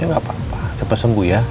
ya gak apa apa cepet sembuh ya